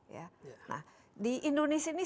nah di indonesia ini